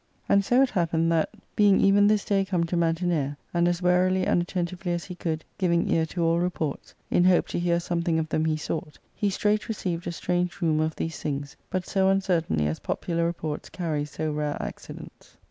And so it happened that, being even this day come to Man tinea, and as warily and attentively as he could giving ear to all reports, in hope to hear something of them he sought, he straight received a strange rumour of these things, but so un certainly as popular reports carry so rare accidents.